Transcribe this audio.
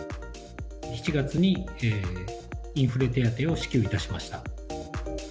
７月にインフレ手当を支給いたしました。